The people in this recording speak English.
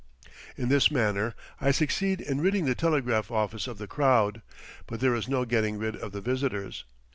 In this manner I succeed in ridding the telegraph office of the crowd; but there is no getting rid of the visitors.